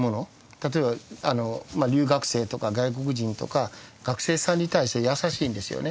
例えば留学生とか外国人とか学生さんに対して優しいんですよね